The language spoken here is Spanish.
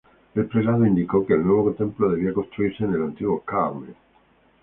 El prelado indicó que el nuevo templo debía construirse en el antiguo Carmen.